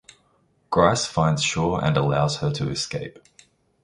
Grice finds Shaw and allows her to escape.